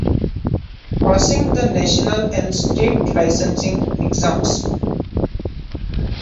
Passing the national and state licensing exams.